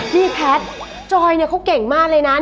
พี่แพทย์จอยเนี่ยเขาเก่งมากเลยนะ